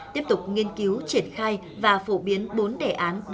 tiếp tục nghiên cứu triển khai và phổ biến bốn đề án